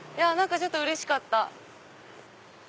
ちょっとうれしかった！